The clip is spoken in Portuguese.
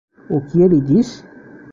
O que ele disse?